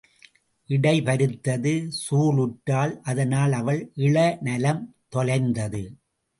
இடை பருத்தது சூல் உற்றாள் அதனால் அவள் இள நலம் தொலைந்தது.